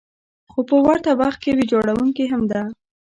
خو په ورته وخت کې ویجاړونکې هم ده.